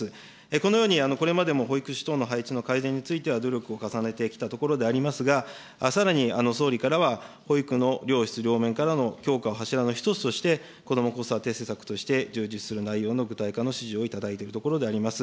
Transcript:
このようにこれまでも保育士等の配置の改善については努力を重ねてきたところでありますが、さらに、総理からは、保育の量、質両面からの強化を柱の一つとして、こども・子育て政策として、充実する内容の具体化の指示を頂いているところであります。